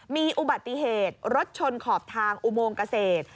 มีอุบัติเหตุรถชนขอบทางอุโมงเกษตร